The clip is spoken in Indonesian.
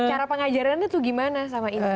cara pengajarannya tuh gimana sama ibu